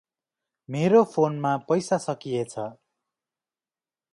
मेरो फोनमा पैसा सकिएछ ।